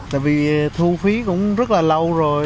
tại vì thu phí cũng rất là lâu rồi